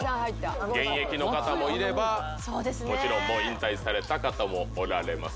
現役の方もいればもちろんもう引退された方もおられます。